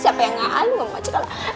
siapa yang nghaluk mak cik allah